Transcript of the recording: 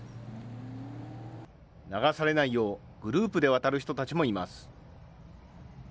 流されないようグループで渡る人たちもいます。